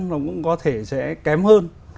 nó cũng có thể sẽ kém hơn